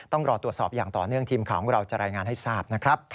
ต้องรอตรวจสอบอย่างต่อเนื่องทีมข่าวของเราจะรายงานให้ทราบนะครับ